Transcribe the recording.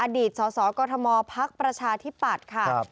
อดีตสสกมพักประชาธิปัตย์ค่ะ